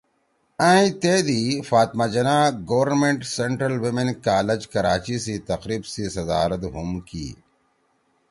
ائں تے دی فاطمہ جناح گورنمنٹ سنٹرل ویمن کالج کراچی سی تقریب سی صدارت ہُم کی